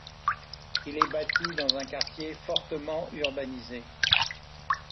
Il est bâti dans un quartier fortement urbanisé.